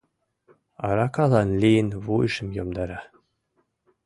— Аракалан лийын вуйжым йомдара.